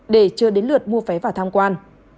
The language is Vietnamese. để chờ đến lượt mua vé và tham quan